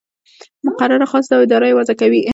مقرره خاصه ده او اداره یې وضع کوي.